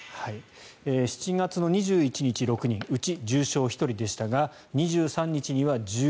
７月の２２日、６人うち重症は１人でしたが２３日には１２人。